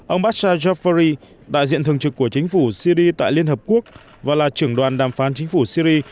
ông bashar jafari đại diện thường trực của chính phủ syri tại liên hợp quốc và là trưởng đoàn đàm phán chính phủ syri